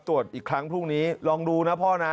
ตรวจอีกครั้งพรุ่งนี้ลองดูนะพ่อนะ